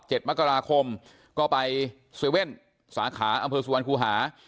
เจ็ดมักกราคมก็ไปสาขาอำเภอสุวรรณคูหา